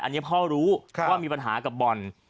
อันนี้พ่อรู้ว่ามีปัญหากับบ่อน